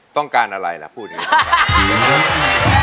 ต้องการอะไรล่ะพูดอย่างนี้